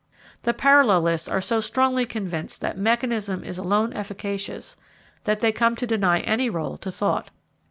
The parallelists are so strongly convinced that mechanism is alone efficacious that they come to deny any rôle to thought.